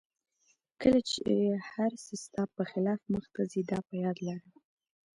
کله چې هر څه ستا په خلاف مخته ځي دا په یاد لره.